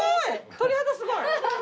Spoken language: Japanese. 鳥肌すごい。